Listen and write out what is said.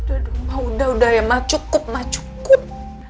udah udah udah ya ma cukup ma cukup